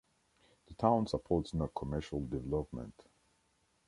The town supports no commercial development.